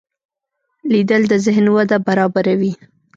لیدل د ذهن وده برابروي